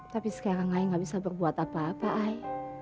tapi sekarang i gak bisa berbuat apa apa i